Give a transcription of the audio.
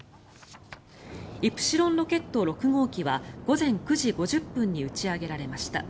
イプシロンロケット６号機は午前９時５０分に打ち上げられました。